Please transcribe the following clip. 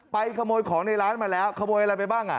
ขโมยของในร้านมาแล้วขโมยอะไรไปบ้าง